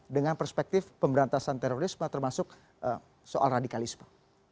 dengan perspektif pemberantasan terorisme termasuk soal radikalisme